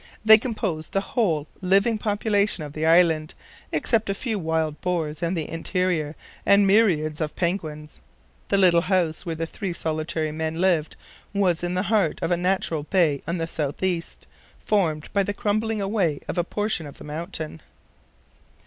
They composed the whole living population of the island, except a few wild boars in the interior and myriads of penguins. The little house where the three solitary men lived was in the heart of a natural bay on the southeast, formed by the crumbling away of a portion of the mountain.